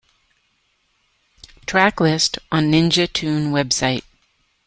Track list on Ninja Tune website